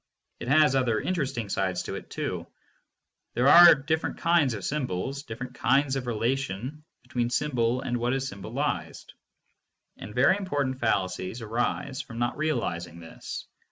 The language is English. It has other interesting sides to it too. There are different kinds of symbols, different kinds of relation be tween symbol and what is symbolized, and very important fallacies arise from not realizing this.